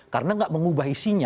karena tidak mengubah isinya